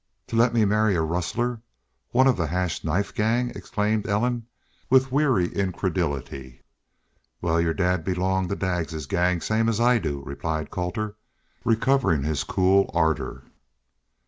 "To let me marry a rustler one of the Hash Knife Gang!" exclaimed Ellen, with weary incredulity. "Wal, your dad belonged to Daggs's gang, same as I do," replied Colter, recovering his cool ardor.